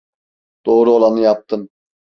Doğru olanı yaptım.